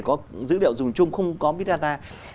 có dữ liệu dùng chung không có bitdata